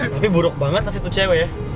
tapi buruk banget kasih tuh cewek ya